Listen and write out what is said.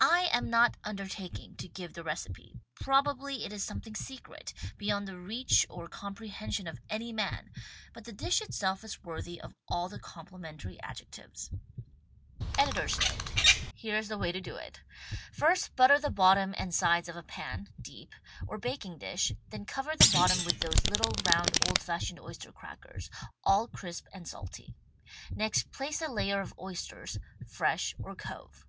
I am not undertaking to give the recipe. Probably it is something secret — beyond the reach or comprehension of any man, but the dish itself is worthy of all the compli mentary adjectives. WRITTEN FOR MEN BY MEN Editor's Note: — Here is the way to do it — first butter the bottom and sides of a pan (deep) or baking dish, then cover the bottom with those little, round, old fashioned oyster crackers, all crisp and salty. Next place a layer of oysters, fresh or cove.